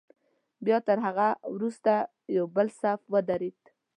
بیا تر هغه وروسته یو بل صف ودرېد.